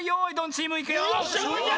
チームいくよ！